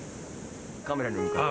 カメラに向かって。